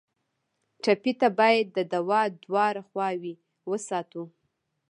ټپي ته باید د دوا دواړه خواوې وساتو.